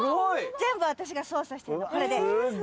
全部私が操作してるのこれで。